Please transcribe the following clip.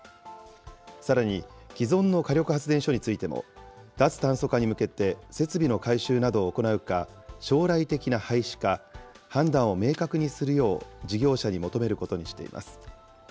さらに、既存の火力発電所についても、脱炭素化に向けて設備の改修などを行うか、将来的な廃止か、判断を明確にするよう事業者に求めることにしています。